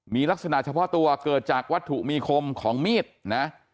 มีลักษณะเฉพาะตัวเกิดจากวัตถุมีคมของมีดนะ